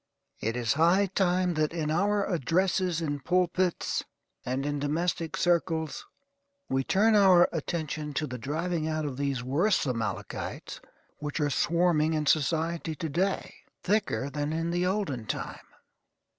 It is high time that in our addresses in pulpits, and in domestic circles, we turn our attention to the driving out of these worse Amalekites which are swarming in society to day, thicker than in the olden time.